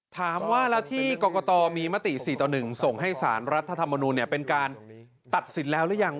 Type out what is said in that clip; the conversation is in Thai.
ถามว่าแล้วที่กรกตมีมติ๔ต่อ๑ส่งให้สารรัฐธรรมนูลเป็นการตัดสินแล้วหรือยัง